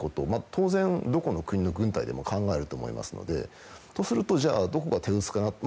当然どこの国の軍隊でも考えると思いますのでとすると、どこが手薄かなと。